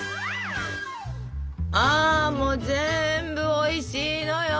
あもう全部おいしいのよ！